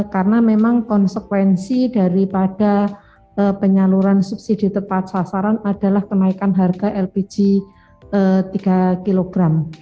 karena memang konsekuensi daripada penyaluran subsidi tepat sasaran adalah kenaikan harga lpg tiga kg